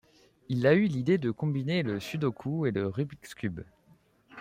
Il a eu l'idée de combiner le Sudoku et le Rubik's cube.